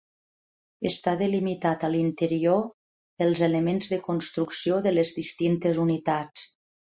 Està delimitat a l'interior pels elements de construcció de les distintes unitats.